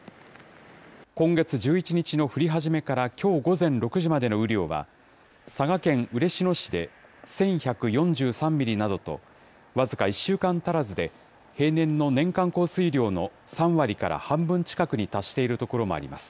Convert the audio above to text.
今月１１日の降り始めからきょう午前６時までの雨量は、佐賀県嬉野市で１１４３ミリなどと、僅か１週間足らずで、平年の年間降水量の３割から半分近くに達している所もあります。